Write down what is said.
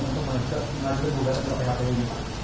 untuk mengajukan pengajuan untuk phpu ini